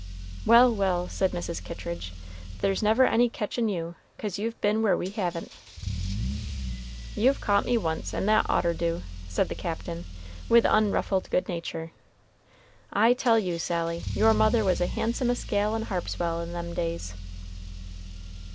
"Well, well," said Mrs. Kittridge, "there's never any catchin' you, 'cause you've been where we haven't." "You've caught me once, and that ought'r do," said the Captain, with unruffled good nature. "I tell you, Sally, your mother was the handsomest gal in Harpswell in them days."